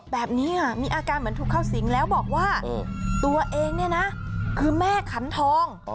แบบนี้ค่ะมีอาการเหมือนถูกเข้าสิงแล้วบอกว่าตัวเองเนี่ยนะคือแม่ขันทอง